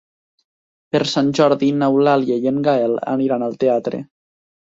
Per Sant Jordi n'Eulàlia i en Gaël aniran al teatre.